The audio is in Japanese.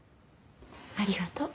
ありがとう。